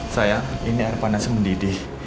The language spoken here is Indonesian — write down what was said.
saya ini air panas mendidih